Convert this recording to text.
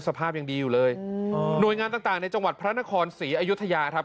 สภาพยังดีอยู่เลยหน่วยงานต่างต่างในจังหวัดพระนครศรีอยุธยาครับ